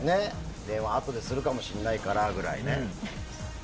電話あとでするかもしれないからぐらいね。